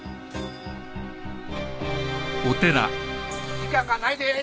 時間がないでー。